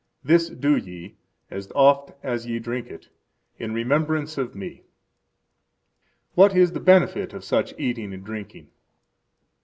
This do ye, as oft as ye drink it, in remembrance of Me. What is the benefit of such eating and drinking?